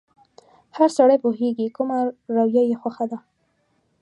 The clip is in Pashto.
هر سړی پوهېږي کومه رويه يې خوښه ده.